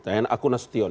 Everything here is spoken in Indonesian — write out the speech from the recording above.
dan aku nasution